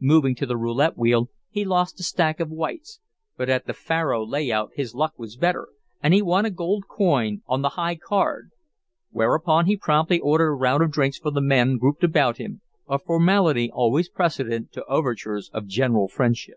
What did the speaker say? Moving to the roulette wheel, he lost a stack of whites, but at the faro "lay out" his luck was better, and he won a gold coin on the "high card." Whereupon he promptly ordered a round of drinks for the men grouped about him, a formality always precedent to overtures of general friendship.